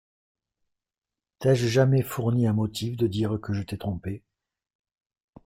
T’ai-je jamais fourni un motif de dire que je t’ai trompée ?